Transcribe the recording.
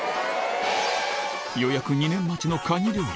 予約２年待ちのかに料理。